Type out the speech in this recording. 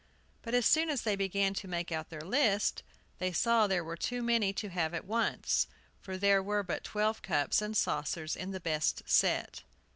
But as soon as they began to make out the list, they saw there were too many to have at once, for there were but twelve cups and saucers in the best set.